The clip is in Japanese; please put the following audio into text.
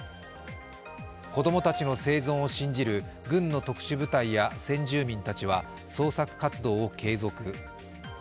子供たちの生存を信じる軍の特殊部隊や先住民たちは捜索活動を継続。